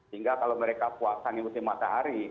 hingga kalau mereka puasa ngikutin matahari